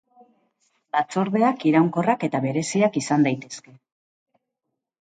Batzordeak iraunkorrak eta bereziak izan daitezke.